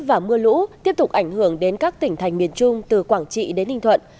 và mưa lũ tiếp tục ảnh hưởng đến các tỉnh thành miền trung từ quảng trị đến ninh thuận